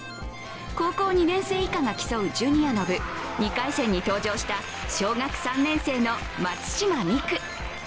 高校２年生以下が競うジュニアの部２回戦に登場した小学３年生の松島美空。